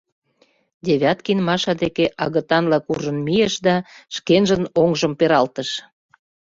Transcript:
— Девяткин Маша деке агытанла куржын мийыш да шкенжын оҥжым пералтыш.